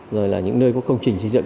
rồi là những nơi có công trình xây dựng